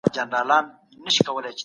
د سولي هر ګام د بشریت د نېکمرغۍ لپاره دی.